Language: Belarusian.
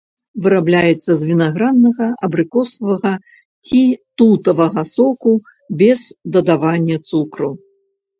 Вырабляецца з вінаграднага, абрыкосавага ці тутавага соку без дадавання цукру.